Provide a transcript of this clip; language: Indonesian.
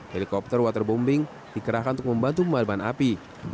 helikopter waterbombing dikerahkan untuk membantu pemadaman api